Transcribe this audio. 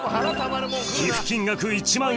寄付金額１万円